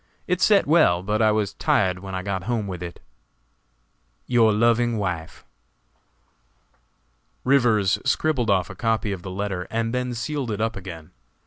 It set well, but I was tired when I got home with it. "Your loving wife." Rivers scribbled off a copy of the letter and then sealed it up again.